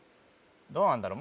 どうなんだろう